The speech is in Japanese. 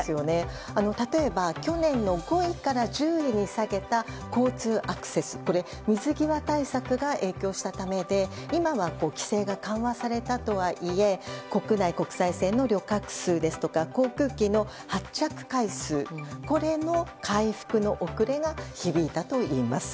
例えば去年の５位から１０位に下げた交通・アクセスは水際対策が影響したためで今は規制が緩和されたとはいえ国内・国際線の旅客数ですとか航空機の発着回数も回復の遅れが響いたといいます。